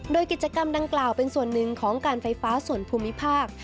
โดยกิจกรรมดังกล่าวเป็นส่วนหนึ่งของการไฟฟ้าส่วนภูมิภาค